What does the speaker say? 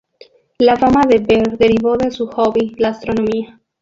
La fama de Beer derivó de su hobby, la astronomía.